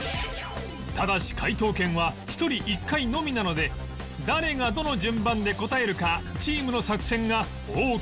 ただし解答権は１人１回のみなので誰がどの順番で答えるかチームの作戦が大きな鍵を握る